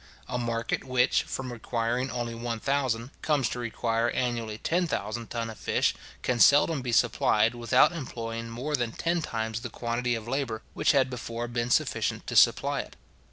A market which, from requiring only one thousand, comes to require annually ten thousand ton of fish, can seldom be supplied, without employing more than ten times the quantity of labour which had before been sufficient to supply it.